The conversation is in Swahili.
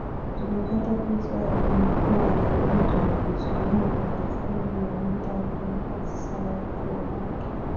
Tumepata fursa ya kumuua lakini tumejizuiaalisema Bi Anita akiweka sawa koo lake